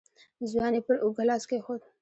ځوان يې پر اوږه لاس کېښود.